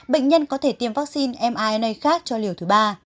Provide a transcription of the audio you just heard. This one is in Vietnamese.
bệnh nhân có thể tiêm vaccine mina khác cho liều thứ ba